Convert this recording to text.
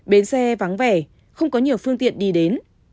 bến xe vắng vẻ không có nhiều phương tiện đi đến